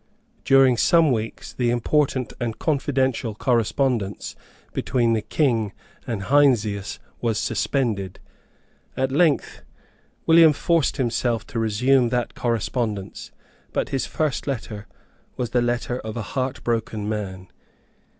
During some weeks the important and confidential correspondence between the King and Heinsius was suspended. At length William forced himself to resume that correspondence: but his first letter was the letter of a heartbroken man.